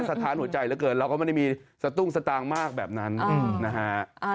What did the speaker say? สถานหัวใจเหลือเกินเราก็ไม่ได้มีสตุ้งสตางค์มากแบบนั้นนะฮะ